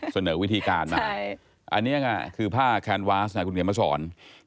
ส่วนเหนือวิธีการมาอันนี้คือผ้าแคนวาสคุณเดี๋ยวมาสอน